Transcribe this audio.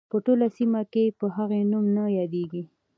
په ټوله سیمه کې په هغه نوم نه یادیږي.